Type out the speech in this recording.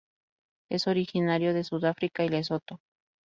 Es originaria de Sudáfrica y Lesoto.